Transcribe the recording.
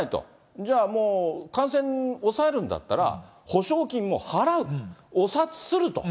じゃあもう、感染抑えるんだったら、補償金も払う、お札刷ると。